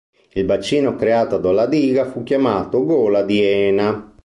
Il bacino creato dalla diga fu chiamato gola di Ena.